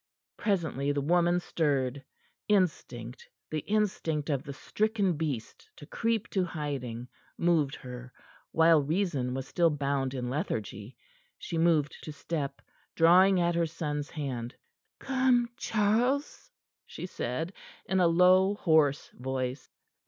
Presently the woman stirred. Instinct the instinct of the stricken beast to creep to hiding moved her, while reason was still bound in lethargy. She moved to step, drawing at her son's hand. "Come, Charles," she said, in a low, hoarse voice.